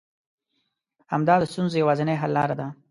همدا د ستونزو يوازنۍ حل لاره ده.